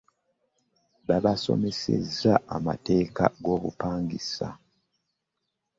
Babasomesezza amateeka go bupangisa.